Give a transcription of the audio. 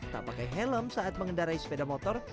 tak pakai helm saat mengendarai sepeda motor